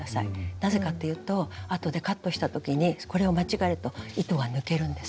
なぜかというとあとでカットした時にこれを間違えると糸が抜けるんです。